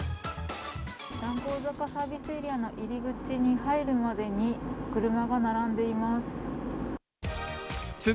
談合坂サービスエリアの入り口に入るまでに車が並んでいます。